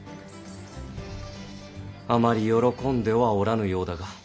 あまり喜んではおらぬようだが。